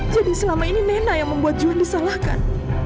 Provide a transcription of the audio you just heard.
jadi selama ini nena yang membuat johan disalahkan